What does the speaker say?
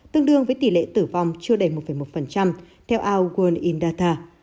tương đương với tỷ lệ tử vong chưa đầy một một theo al gurindata